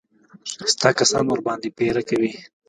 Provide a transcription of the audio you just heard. ستا کسان ورباندې پيره کوي.